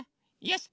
よし！